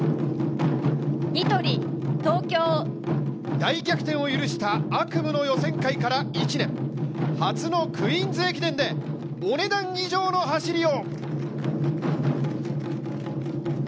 大逆転を許した悪夢の予選会から１年、初のクイーンズ駅伝でおねだん以上の走りを。